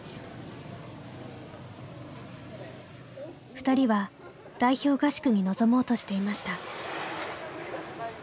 ふたりは代表合宿に臨もうとしていました。